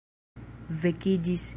vekiĝis